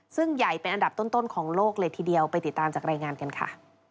ซึ่งใหญ่เป็นอันดับต้นของโลกเลยทีเดียวไปติดตามจากรายงานกันค่ะ